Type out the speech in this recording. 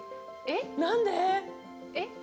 えっ？何で？